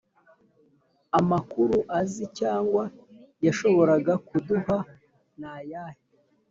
amakuru azi cyangwa yashoboraga kuduha nayahe